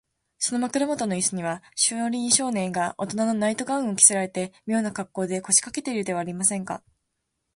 その枕もとのイスには、小林少年がおとなのナイト・ガウンを着せられて、みょうなかっこうで、こしかけているではありませんか。